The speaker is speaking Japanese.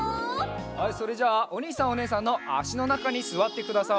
はいそれじゃあおにいさんおねえさんのあしのなかにすわってください。